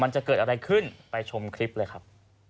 จะเกิดอะไรขึ้นไปชมคลิปเลยครับ